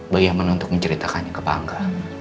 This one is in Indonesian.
bagaimana untuk menceritakannya ke bangga